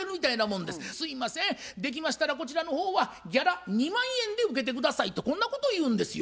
「すいませんできましたらこちらの方はギャラ２万円で受けて下さい」とこんなことを言うんですよ。